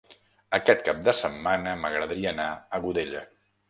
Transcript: Aquest cap de setmana m'agradaria anar a Godella.